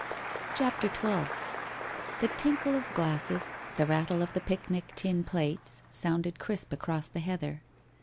CHAPTER XII The tinkle of the glasses, the rattle of the picnic tin plates, sounded crisp across the heather.